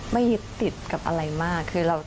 ไม่ยึดติดกับอะไรมาก